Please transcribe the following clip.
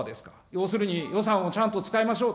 要するに予算をちゃんと使いましょう。